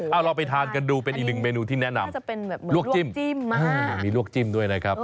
เอาเราไปทานกันดูเป็นอีกหนึ่งเมนูที่แนะนำลวกจิ้มมีลวกจิ้มด้วยนะครับ